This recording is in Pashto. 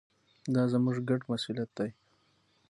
دا زموږ ګډ مسوولیت دی.